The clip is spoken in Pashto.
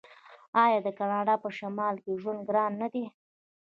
آیا د کاناډا په شمال کې ژوند ګران نه دی؟